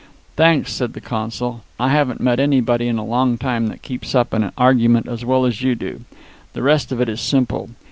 "Thanks," said the consul. "I haven't met anybody in a long time that keeps up with an argument as well as you do. The rest of it is simple.